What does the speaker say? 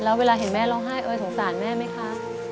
แล้วเวลาเห็นแม่ร้องไห้เอ๋ยสงสารแม่ไหมคะ